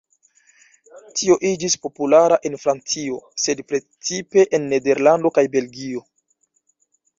Tio iĝis populara en Francio, sed precipe en Nederlando kaj Belgio.